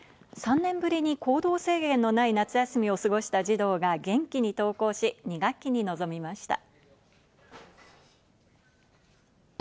３年ぶりに行動制限のない夏休みを過ごした児童が元気に登校し、２学期に臨みました。